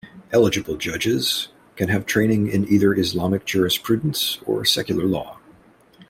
Eligible judges can have training in either Islamic jurisprudence or secular law.